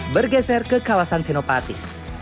bergeser ke kawasan senopati